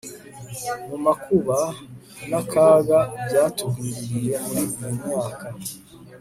mu makuba n'akaga byatugwiririye muri iyi myaka